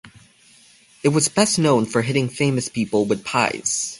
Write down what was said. It was best known for hitting famous people with pies.